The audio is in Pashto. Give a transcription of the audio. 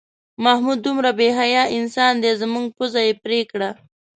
محمود دومره بې حیا انسان دی زموږ پوزه یې پرې کړه.